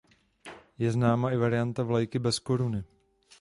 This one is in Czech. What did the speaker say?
Je známa i varianta vlajky bez koruny.